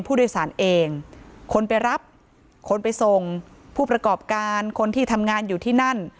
ผู้โดยสารเองคนไปรับคนไปส่งผู้ประกอบการคนที่ทำงานอยู่ที่นั่น